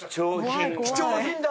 貴重品だ！